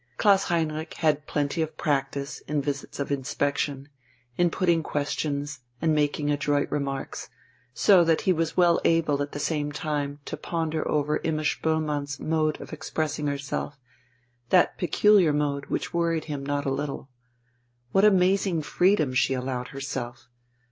Klaus Heinrich had had plenty of practice in visits of inspection, in putting questions and making adroit remarks, so that he was well able at the same time to ponder over Imma Spoelmann's mode of expressing herself, that peculiar mode which worried him not a little. What amazing freedom she allowed herself!